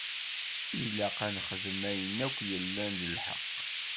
Ilaq-aɣ ad nexdem ayen akk yellan d lḥeqq.